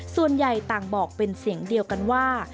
ส่วนใหญ่ต่างบอกเป็นเสียงเดียวกันว่า